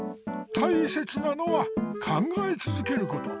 たいせつなのは考えつづけること。